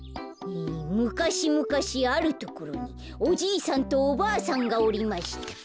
「むかしむかしあるところにおじいさんとおばあさんがおりました。